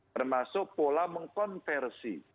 termasuk pola mengkonversi